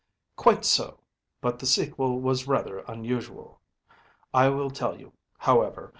‚ÄĚ “Quite so; but the sequel was rather unusual. I will tell you, however.